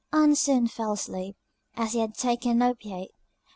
Ann soon fell asleep, as she had taken an opiate.